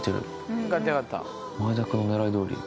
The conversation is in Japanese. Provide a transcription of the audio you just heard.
前田君の狙いどおり。